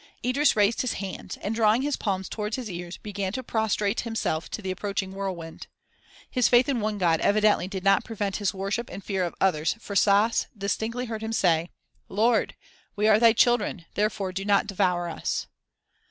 Idris raised his hands and drawing his palms towards his ears began to prostrate himself to the approaching whirlwind. His faith in one God evidently did not prevent his worship and fear of others for Stas distinctly heard him say: "Lord! We are thy children; therefore do not devour us."